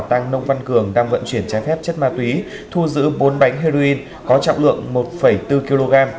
tăng nông văn cường đang vận chuyển trái phép chất ma túy thu giữ bốn bánh heroin có trọng lượng một bốn kg